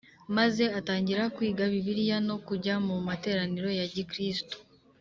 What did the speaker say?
maze atangira kwiga Bibiliya no kujya mu materaniro ya gikristo